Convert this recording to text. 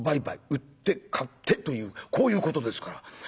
売って買ってというこういうことですから。